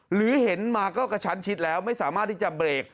หรือเห็นมาก็กระชั้นชิดแล้วไม่สามารถที่จะเบรก